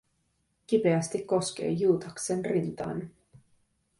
Kipeästi koskee Juutaksen rintaan.